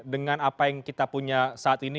dengan apa yang kita punya saat ini